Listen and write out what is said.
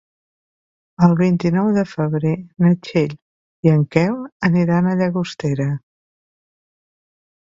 El vint-i-nou de febrer na Txell i en Quel aniran a Llagostera.